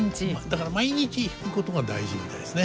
だから毎日弾くことが大事みたいですね。